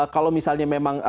kalau misalnya memang